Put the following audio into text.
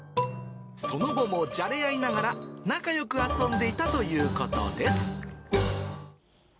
その後もじゃれ合いながら、仲よく遊んでいたということです。